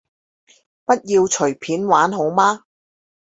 不要隨便玩好嗎